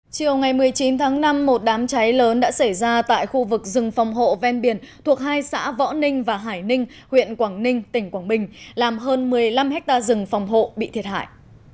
chiều ngày một mươi chín tháng năm một đám cháy lớn đã xảy ra tại khu vực rừng phòng hộ ven biển thuộc hai xã võ ninh và hải ninh huyện quảng ninh tỉnh quảng bình làm hơn một mươi năm hectare rừng phòng hộ bị thiệt hại